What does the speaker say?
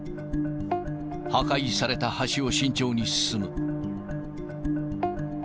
破壊された橋を慎重に進む。